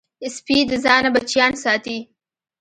سپي د ځان نه بچیان ساتي.